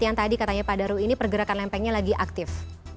yang tadi katanya pak daru ini pergerakan lempengnya lagi aktif